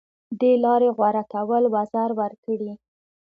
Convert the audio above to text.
دې لارې غوره کول وزر ورکړي